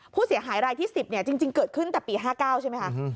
ผู้เสียหายรายที่๑๐จริงเกิดขึ้นแต่ปี๕๙ใช่ไหมคะ